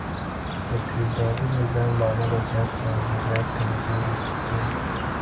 د فیودالي نظام له امله نظریات کمزورې سوي.